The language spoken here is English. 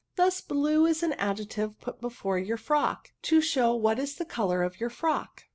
Thus bhte is an adjective put before your frock, to show what is the colour of your frock."